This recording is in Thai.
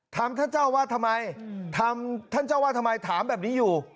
ถามท่านเจ้าอาวาสทำไมถามท่านเจ้าอาวาสทำไมถามแบบนี้อยู่